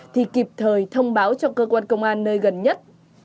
thì kịp thời thông báo cho cơ quan công an nơi gần nhất